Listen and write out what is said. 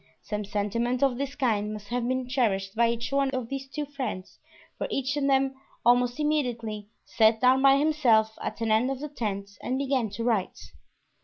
Some sentiment of this kind must have been cherished by each one of these two friends, for each of them almost immediately sat down by himself at an end of the tent and began to write.